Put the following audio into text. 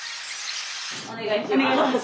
お願いします。